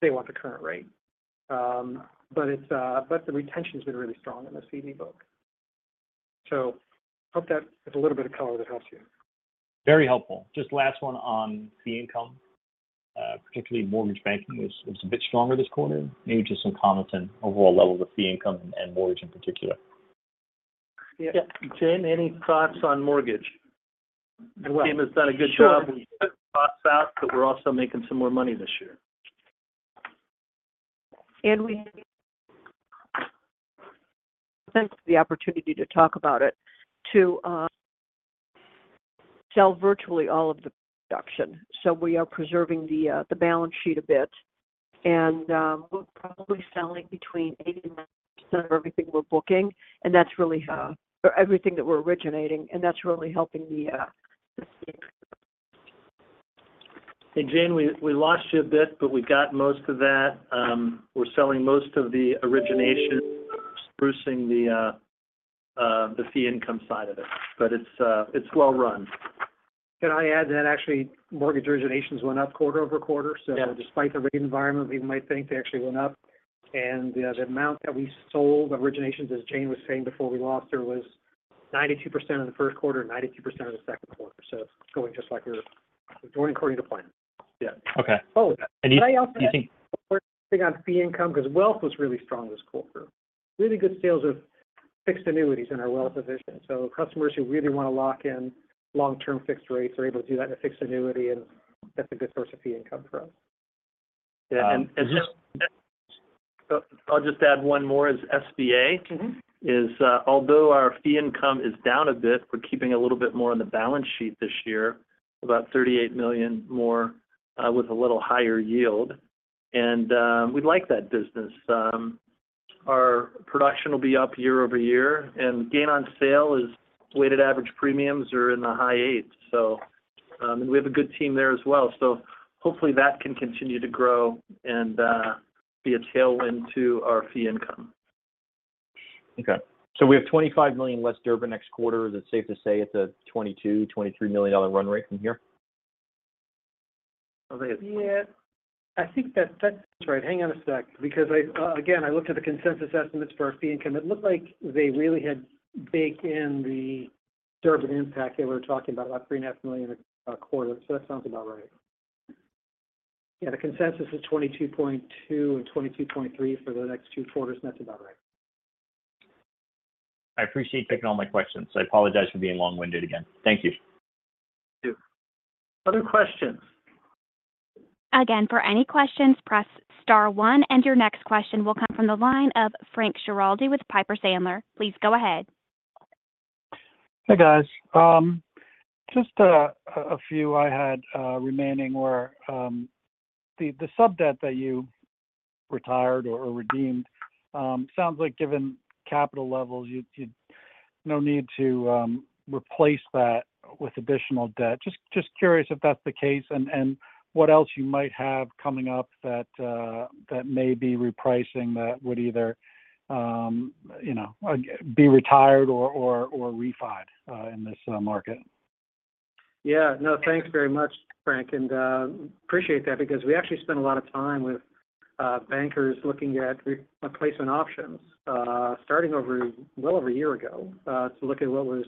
they want the current rate. But it's, but the retention's been really strong in the CD book. So, hope that's a little bit of color that helps you. Very helpful. Just last one on fee income, particularly mortgage banking was a bit stronger this quarter. Maybe just some comments on overall levels of fee income and mortgage in particular. Yeah. Jane, any thoughts on mortgage? Jane has done a good job, but we're also making some more money this year. Since the opportunity to talk about it, to sell virtually all of the production. So we are preserving the balance sheet a bit, and we're probably selling between 80% and 90% of everything we're booking, and that's really, or everything that we're originating, and that's really helping the, Hey, Jane, we lost you a bit, but we got most of that. We're selling most of the origination, boosting the fee income side of it, but it's well run. Can I add that actually mortgage originations went up quarter-over-quarter? Yeah. So despite the rate environment, we might think they actually went up. The amount that we sold, the originations, as Jane was saying before we lost her, was 92% in the first quarter, 92% in the second quarter. So it's going just like we're going according to plan. Yeah. Okay. Oh, can I also add- Do you think- on fee income, because wealth was really strong this quarter. Really good sales of fixed annuities in our wealth division. So customers who really want to lock in long-term fixed rates are able to do that in a fixed annuity, and that's a good source of fee income from. Yeah. And just, I'll just add one more is SBA. Mm-hmm. Although our fee income is down a bit, we're keeping a little bit more on the balance sheet this year, about $38 million more, with a little higher yield. And we like that business. Our production will be up year-over-year, and gain on sale is weighted average premiums are in the high 8s. So, and we have a good team there as well. So hopefully, that can continue to grow and be a tailwind to our fee income. Okay. So we have $25 million less Durbin next quarter. Is it safe to say it's a $22-$23 million dollar run rate from here? Yeah. I think that, that's right. Hang on a sec, because I-- again, I looked at the consensus estimates for our fee income. It looked like they really had baked in the Durbin impact. They were talking about $3.5 million a quarter, so that sounds about right. Yeah, the consensus is $22.2 million and $22.3 million for the next two quarters, and that's about right. I appreciate taking all my questions. I apologize for being long-winded again. Thank you. Other questions? Again, for any questions, press star one, and your next question will come from the line of Frank Schiraldi with Piper Sandler. Please go ahead. Hey, guys. Just a few I had remaining were the subdebt that you retired or redeemed. Sounds like given capital levels, you no need to replace that with additional debt. Just curious if that's the case and what else you might have coming up that may be repricing, that would either you know be retired or refinanced in this market. Yeah. No, thanks very much, Frank, and appreciate that because we actually spent a lot of time with bankers looking at replacement options, starting over well over a year ago, to look at what was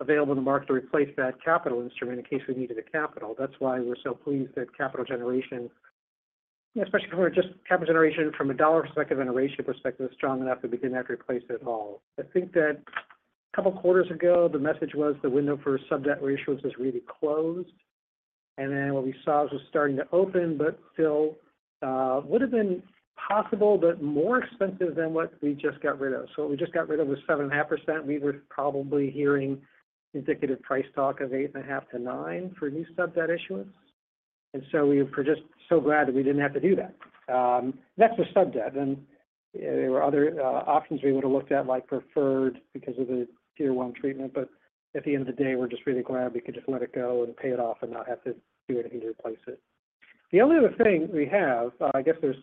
available in the market to replace that capital instrument in case we needed the capital. That's why we're so pleased that capital generation, especially just capital generation from a dollar perspective and a ratio perspective, is strong enough that we didn't have to replace it at all. I think that a couple of quarters ago, the message was the window for subdebt issuance was really closed, and then what we saw was starting to open, but still would have been possible, but more expensive than what we just got rid of. So what we just got rid of was 7.5%. We were probably hearing indicative price talk of 8.5-9 for new subdebt issuance. So we're just so glad that we didn't have to do that. That's the subdebt, and there were other options we would have looked at, like preferred, because of the Tier 1 treatment. But at the end of the day, we're just really glad we could just let it go and pay it off and not have to do anything to replace it. The only other thing we have, I guess there's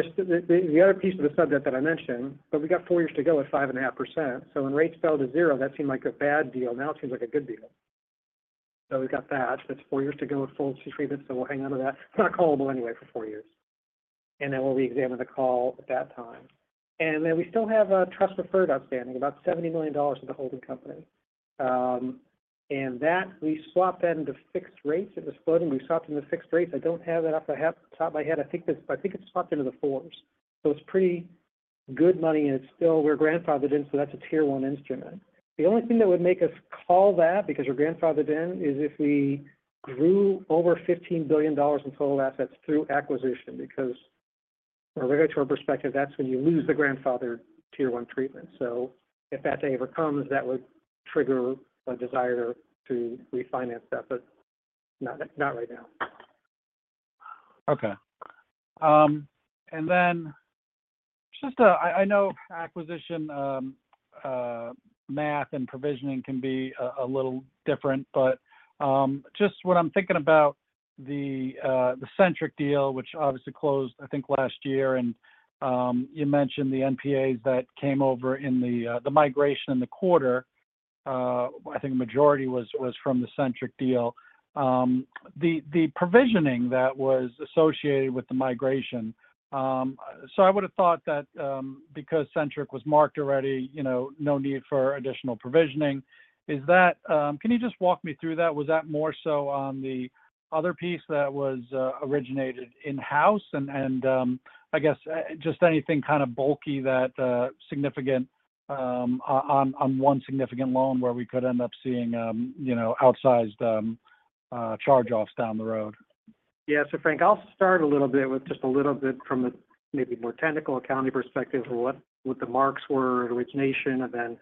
the other piece of the subdebt that I mentioned, but we got 4 years to go at 5.5%. So when rates fell to 0, that seemed like a bad deal. Now it seems like a good deal. We've got that. That's four years to go with full treatment, so we'll hang on to that. It's not callable anyway for four years. And then we'll reexamine the call at that time. And then we still have a trust preferred outstanding, about $70 million with the holding company. And we swapped that into fixed rates. It was floating. We swapped into fixed rates. I don't have that off the top of my head. I think it's swapped into the fours. So it's pretty good money, and it's still we're grandfathered in, so that's a Tier 1 instrument. The only thing that would make us call that, because we're grandfathered in, is if we grew over $15 billion in total assets through acquisition, because from a regulatory perspective, that's when you lose the grandfather Tier 1 treatment. If that day ever comes, that would trigger a desire to refinance that, but not, not right now. Okay. Just, I know acquisition math and provisioning can be a little different, but just when I'm thinking about the Centric deal, which obviously closed, I think, last year, and you mentioned the NPAs that came over in the migration in the quarter. I think the majority was from the Centric deal. The provisioning that was associated with the migration, so I would have thought that because Centric was marked already, you know, no need for additional provisioning. Is that, can you just walk me through that? Was that more so on the other piece that was originated in-house and I guess just anything kind of bulky that significant on one significant loan where we could end up seeing you know outsized charge-offs down the road? Yeah. So Frank, I'll start a little bit with just a little bit from a maybe more technical accounting perspective of what, what the marks were at origination and then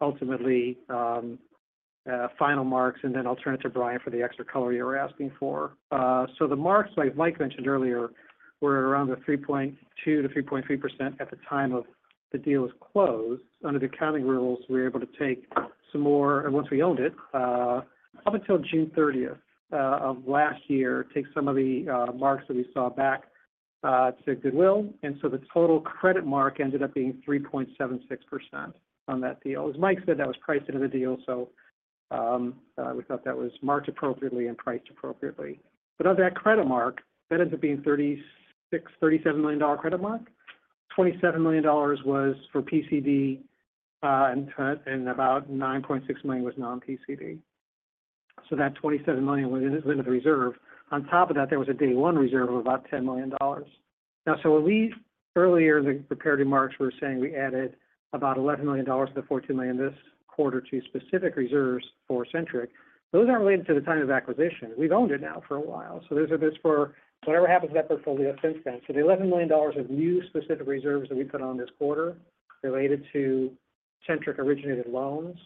ultimately, final marks, and then I'll turn it to Brian for the extra color you're asking for. So the marks, like Mike mentioned earlier, were around the 3.2%-3.3% at the time of the deal was closed. Under the accounting rules, we were able to take some more, and once we owned it, up until June thirtieth, of last year, take some of the, marks that we saw back, to goodwill. And so the total credit mark ended up being 3.76% on that deal. As Mike said, that was priced into the deal, so we thought that was marked appropriately and priced appropriately. But of that credit mark, that ended up being $36-$37 million credit mark. $27 million was for PCD, and about $9.6 million was non-PCD. So that $27 million was went into the reserve. On top of that, there was a day one reserve of about $10 million. Now, so when we earlier prepared remarks, we were saying we added about $11 million to the $14 million this quarter to specific reserves for Centric. Those aren't related to the time of acquisition. We've owned it now for a while, so those are just for whatever happens in that portfolio since then. So the $11 million of new specific reserves that we put on this quarter related to Centric-originated loans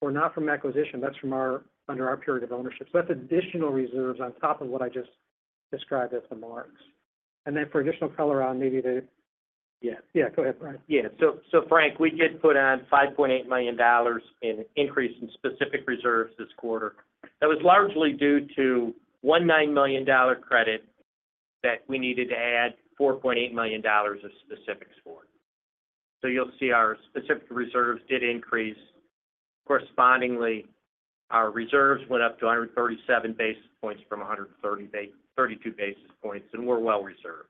were not from acquisition. That's from our-- under our period of ownership. So that's additional reserves on top of what I just described as the marks. And then for additional color on maybe yeah. Yeah, go ahead, Brian. Yeah. So, Frank, we did put on $5.8 million in increase in specific reserves this quarter. That was largely due to one $9 million credit that we needed to add $4.8 million of specifics for. So you'll see our specific reserves did increase. Correspondingly, our reserves went up to 137 basis points from 132 basis points, and we're well reserved.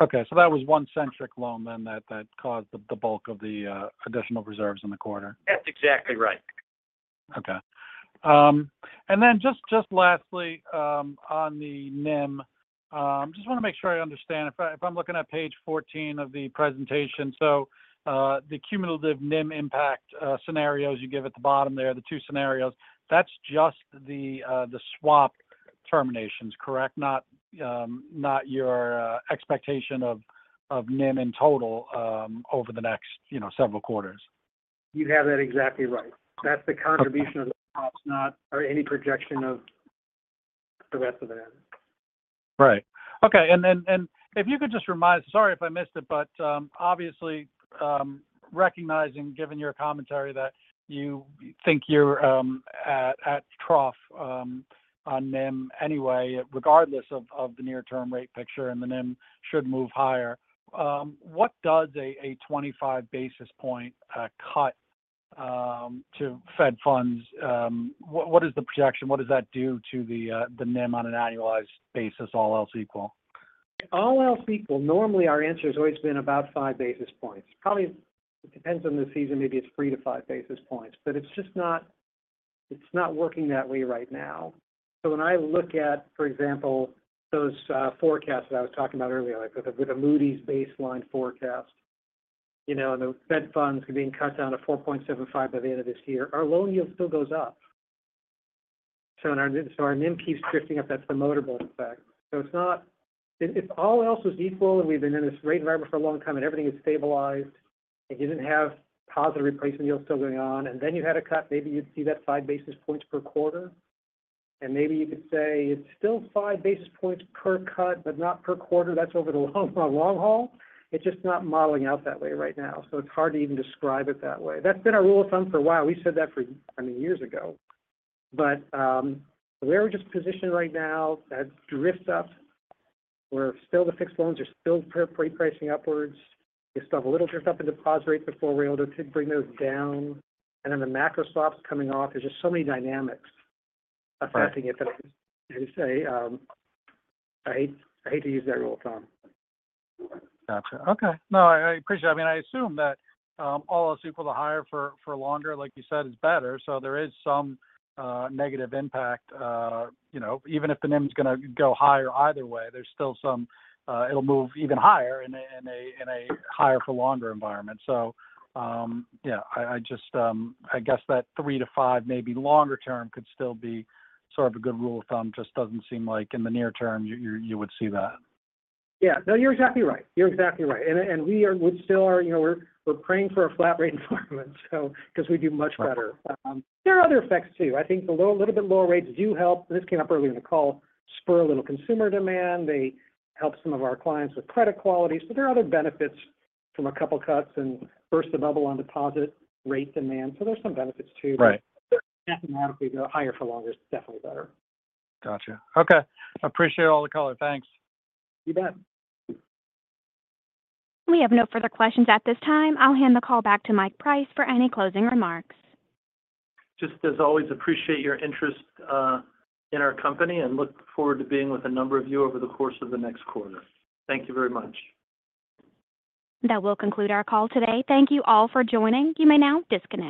Okay. So that was one Centric loan then, that caused the bulk of the additional reserves in the quarter? That's exactly right. Okay. And then just lastly, on the NIM, just want to make sure I understand. If I'm looking at page 14 of the presentation, so, the cumulative NIM impact scenarios you give at the bottom there, the two scenarios, that's just the swap terminations, correct? Not your expectation of NIM in total, over the next, you know, several quarters. You have that exactly right. Okay. That's the contribution of the swaps, not any projection of the rest of that. Right. Okay. And then, if you could just remind—sorry, if I missed it, but, obviously, recognizing, given your commentary, that you think you're at trough on NIM anyway, regardless of the near-term rate picture, and the NIM should move higher. What does a 25 basis point cut to Fed funds—what is the projection? What does that do to the NIM on an annualized basis, all else equal? All else equal, normally, our answer has always been about 5 basis points. Probably, it depends on the season, maybe it's 3-5 basis points, but it's just not, it's not working that way right now. So when I look at, for example, those forecasts that I was talking about earlier, like with the Moody's baseline forecast, you know, and the Fed funds are being cut down to 4.75 by the end of this year, our loan yield still goes up. So our NIM, so our NIM keeps drifting up. That's the motor boat effect. So it's not. If, if all else was equal, and we've been in this rate environment for a long time, and everything is stabilized, and you didn't have positive replacement yields still going on, and then you had a cut, maybe you'd see that 5 basis points per quarter. Maybe you could say it's still five basis points per cut, but not per quarter. That's over the long, long haul. It's just not modeling out that way right now, so it's hard to even describe it that way. That's been our rule of thumb for a while. We said that for, I mean, years ago. But where we're just positioned right now, that drift up, we're still the fixed loans are still pre-pricing upwards. We still have a little drift up in deposit rates before we're able to bring those down. And then the macro swaps coming off, there's just so many dynamics... Right -affecting it, that as you say, I hate, I hate to use that rule of thumb. Gotcha. Okay. No, I appreciate it. I mean, I assume that, all else equal to higher for longer, like you said, is better. So there is some negative impact, you know, even if the NIM is going to go higher either way, there's still some, it'll move even higher in a higher for longer environment. So, yeah, I just, I guess that three to five, maybe longer term, could still be sort of a good rule of thumb. Just doesn't seem like in the near term, you would see that. Yeah. No, you're exactly right. You're exactly right. And we are, we still are, you know, we're praying for a flat rate environment, so, 'cause we do much better. Right. There are other effects too. I think the little bit lower rates do help, and this came up earlier in the call, spur a little consumer demand. They help some of our clients with credit quality. So there are some benefits from a couple cuts and burst the bubble on deposit rate demand. So there are some benefits too. Right. Mathematically, though, higher for longer is definitely better. Gotcha. Okay. I appreciate all the color. Thanks. You bet. We have no further questions at this time. I'll hand the call back to Mike Price for any closing remarks. Just as always, appreciate your interest, in our company and look forward to being with a number of you over the course of the next quarter. Thank you very much. That will conclude our call today. Thank you all for joining. You may now disconnect.